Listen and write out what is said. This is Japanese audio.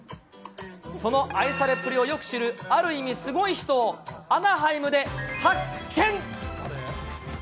その愛されっぷりをよく知る、ある意味すごい人を、アナハイムで発見。